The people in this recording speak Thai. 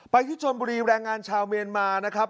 ที่ชนบุรีแรงงานชาวเมียนมานะครับ